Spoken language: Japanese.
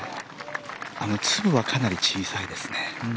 粒はかなり小さいですね。